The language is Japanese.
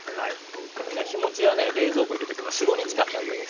これね日もちはね冷蔵庫入れとけば４５日間大丈夫です。